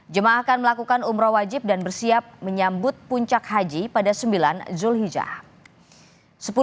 jemaah akan melakukan umroh wajib dan bersiap menyambut puncak haji pada sembilan zulhijjah